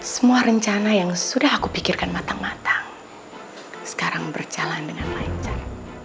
semua rencana yang sudah aku pikirkan matang matang sekarang berjalan dengan lancar